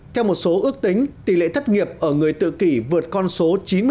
theo một số ước tính tỷ lệ thất nghiệp ở người tự kỷ vượt con số chín mươi